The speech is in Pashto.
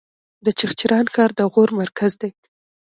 د چغچران ښار د غور مرکز دی